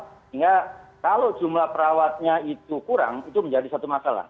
sehingga kalau jumlah perawatnya itu kurang itu menjadi satu masalah